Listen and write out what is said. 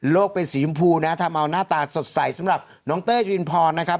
เป็นสีชมพูนะทำเอาหน้าตาสดใสสำหรับน้องเต้ยจรินพรนะครับ